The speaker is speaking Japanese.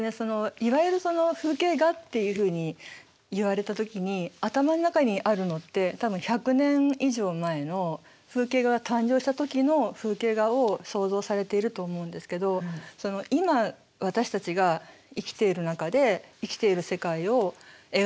いわゆる風景画っていうふうに言われた時に頭の中にあるのって多分１００年以上前の風景画が誕生した時の風景画を想像されていると思うんですけど今私たちが生きている中で生きている世界を描いていくっていうことって